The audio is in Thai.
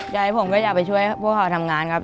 ใจผมก็จะไปช่วยพวกเขาทำงานครับ